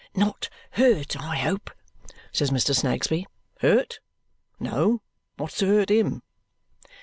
"Not hurt, I hope?" says Mr. Snagsby. "Hurt? No. What's to hurt him!"